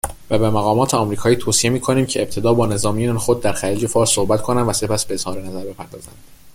وبه مقامات آمریکایی توصیه می کنیم که ابتدا با نظامیان خود در خلیج فارس صحبت کنند و سپس به اظهار نظر بپردازند